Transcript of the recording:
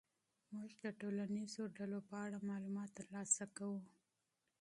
موږ د ټولنیزو ډلو په اړه معلومات ترلاسه کوو.